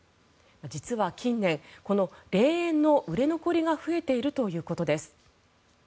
実は近年、この霊園の売れ残りが増えているということです。